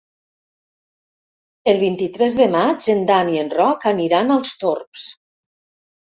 El vint-i-tres de maig en Dan i en Roc aniran als Torms.